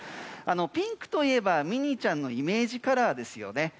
ピンクといえばミニーちゃんのイメージカラーですよね。